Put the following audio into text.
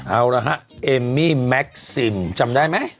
เอาละฮะเอมมี่แม็กซิมจำได้ไหม